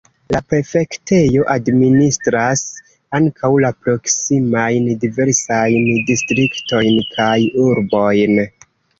La prefektejo administras ankaŭ la proksimajn diversajn distriktojn kaj urbojn.